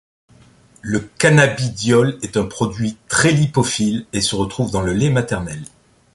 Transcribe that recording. Le cannabidiol est un produit très lipophile et se retrouve dans le lait maternel.